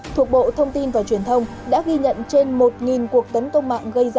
thuộc bộ thông tin và truyền thông đã ghi nhận trên một cuộc tấn công mạng